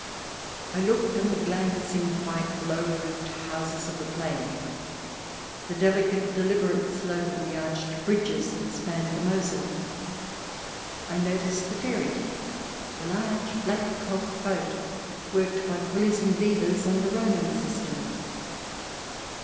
I looked on the glancing white, low roofed houses of the plain, the delicate, deliberate slope of the arched bridges that spanned the Mosel ; I noticed the ferry, the large, black caulked boat, worked by pulleys and levers on the Roman system.